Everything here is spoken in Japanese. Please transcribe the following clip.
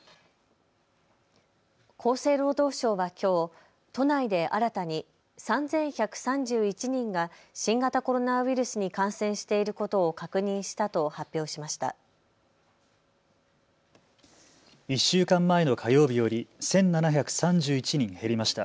厚生労働省はきょう都内で新たに３１３１人が新型コロナウイルスに感染していることを確認したと発表しました。